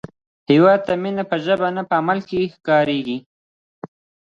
هیواد ته مینه په ژبه نه، په عمل ښکارېږي